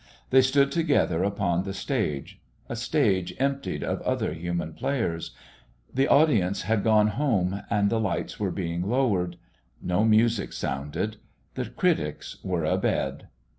They stood together upon the stage, a stage emptied of other human players; the audience had gone home and the lights were being lowered; no music sounded; the critics were a bed.